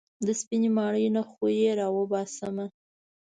د سپينې ماڼۍ نه خو يې راوباسمه.